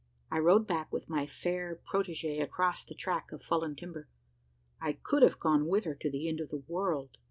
I rode back with my fair protegee across the track of fallen timber I could have gone with her to the end of the world!